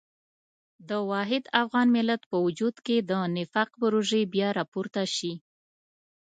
د واحد افغان ملت په وجود کې د نفاق پروژې بیا راپورته شي.